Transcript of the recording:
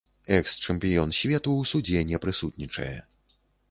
Экс-чэмпіён свету ў судзе не прысутнічае.